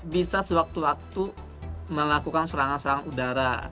bisa sewaktu waktu melakukan serangan serangan udara